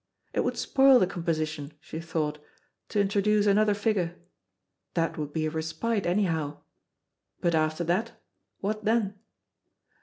It would spoil the composition, she thought, to introduce another figure. That would be a respite, anyhow. But after that, what then?